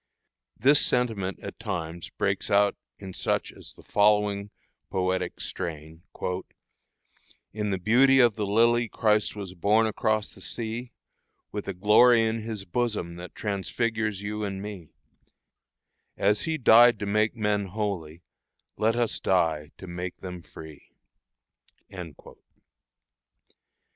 This sentiment at times breaks out in such as the following poetic strain: "In the beauty of the lily Christ was born across the sea, With a glory in His bosom that transfigures you and me As He died to make men holy, let us die to make them free."